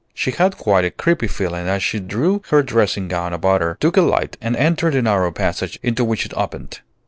She had quite a creepy feeling as she drew her dressing gown about her, took a light, and entered the narrow passage into which it opened.